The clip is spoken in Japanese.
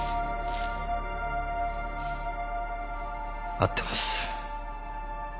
合ってます。